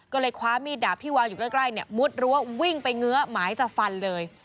ก็เลยคว้ามีดดาบที่วางอยู่ใกล้เนี่ยมุดรั้ววิ่งไปเงื้อหมายจะฟันเลย